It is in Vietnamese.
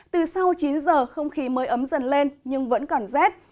từ sau chín giờ không khí mới ấm dần lên nhưng vẫn còn rét